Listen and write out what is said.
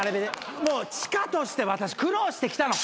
もう地下として私苦労してきたの。